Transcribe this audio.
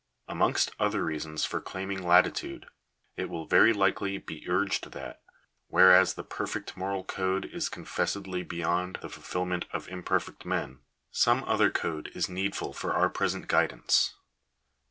Amongst other reasons for claiming latitude, it will very likely be urged that, whereas the perfect moral code is confessedly beyond the fulfilment of imperfect men, some other code is needful for our present guidance.